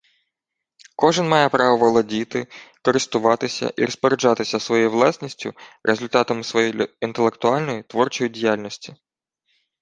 Кожен має право володіти, користуватися і розпоряджатися своєю власністю, результатами своєї інтелектуальної, творчої діяльності